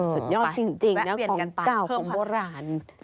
สุดยอดจริงนะของเก่าของโบราณ